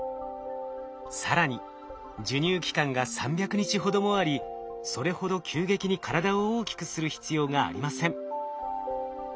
更に授乳期間が３００日ほどもありそれほど急激に体を大きくする必要がありません。